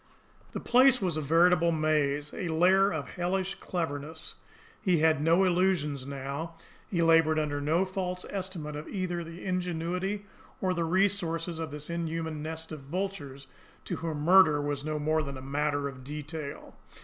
The place was a veritable maze, a lair of hellish cleverness. He had no illusions now, he laboured under no false estimate of either the ingenuity or the resources of this inhuman nest of vultures to whom murder was no more than a matter of detail.